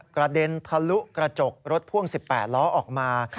กระเด็นทะลุกระจกรถพ่วง๑๘ล้อออกมา